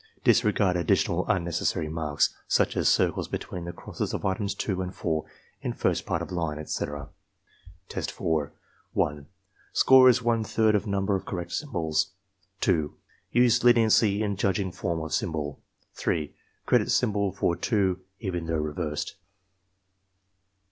Disregard additional unnecessary marks, such as circles be tween the crosses of items 2 and 4 in first part of line, etc. Test 4 1. Score is one third of number of correct symbols. 2. Use leniency in judging form of symbol. 3. Credit symbol for 2 even though reversed.